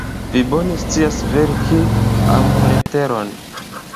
Vi bone scias verki amleteron.